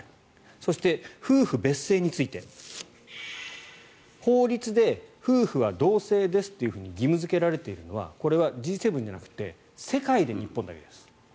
そして、夫婦別姓について法律で夫婦は同姓ですと義務付けられているのはこれはＧ７じゃなくて世界で日本だけです。